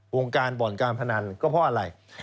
วงการบ่อนการพนันก็เพราะอะไร